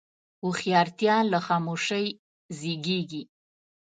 هوښیارتیا له خاموشۍ زیږېږي.